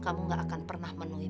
kamu gak akan pernah menuhi